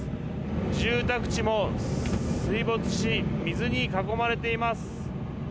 住宅地も水没し水に囲まれています。